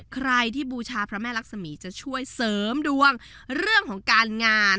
ใครที่บูชาพระแม่รักษมีจะช่วยเสริมดวงเรื่องของการงาน